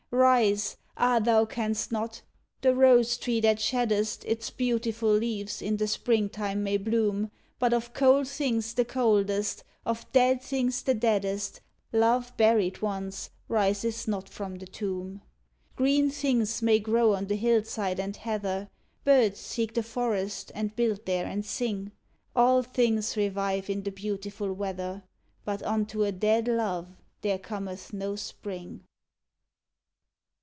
Rise! ah, thou canst not! the rose tree that sheddest Its beautiful leaves, in the Spring time may bloom, But of cold things the coldest, of dead things the deadest, Love buried once, rises not from the tomb. Green things may grow on the hillside and heather, Birds seek the forest and build there and sing. All things revive in the beautiful weather, But unto a dead love there cometh no Spring.